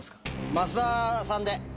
増田さんで。